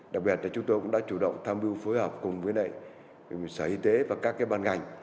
đặc biệt là chúng tôi cũng đã chủ động tham mưu phối hợp cùng với sở y tế và các ban ngành